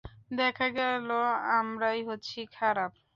দেখা গেলো আমরাই হচ্ছি খারাপ।